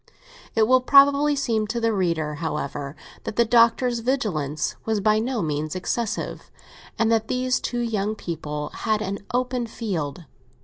It will probably seem to the reader, however, that the Doctor's vigilance was by no means excessive, and that these two young people had an open field.